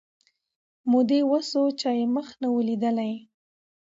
مودې وسوې چا یې مخ نه وو لیدلی